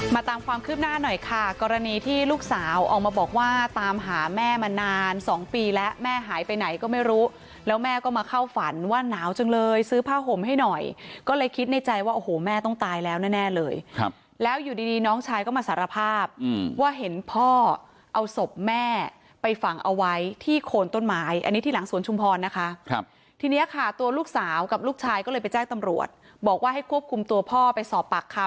มาตามความคืบหน้าหน่อยค่ะกรณีที่ลูกสาวออกมาบอกว่าตามหาแม่มานานสองปีแล้วแม่หายไปไหนก็ไม่รู้แล้วแม่ก็มาเข้าฝันว่าหนาวจังเลยซื้อผ้าห่มให้หน่อยก็เลยคิดในใจว่าโอ้โหแม่ต้องตายแล้วแน่เลยครับแล้วอยู่ดีน้องชายก็มาสารภาพว่าเห็นพ่อเอาศพแม่ไปฝั่งเอาไว้ที่โคนต้นไม้อันนี้ที่หลังสวนชุมพร